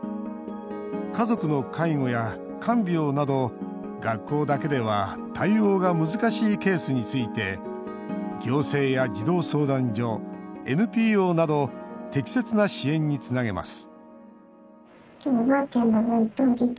家族の介護や看病など学校だけでは対応が難しいケースについて行政や児童相談所、ＮＰＯなど適切な支援につなげます